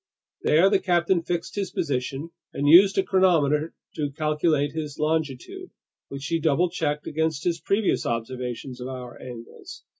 There the captain fixed his position and used a chronometer to calculate his longitude, which he double checked against his previous observations of hour angles.